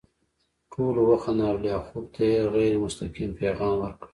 ټولو وخندل او لیاخوف ته یې غیر مستقیم پیغام ورکړ